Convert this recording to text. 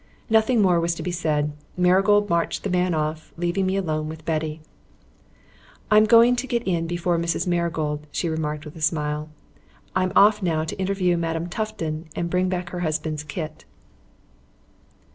Nothing more was to be said. Marigold marched the man off, leaving me alone with Betty. "I'm going to get in before Mrs. Marigold," she remarked, with a smile. "I'm off now to interview Madam Tufton and bring back her husband's kit."